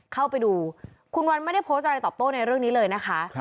เข้าไปดูคุณวันไม่ได้โพสต์อะไรตอบโต้ในเรื่องนี้เลยนะคะ